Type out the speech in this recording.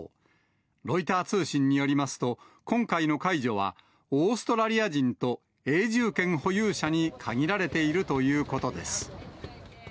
ロイター通信によりますと、今回の解除は、オーストラリア人と永住権保有者に限られているということです。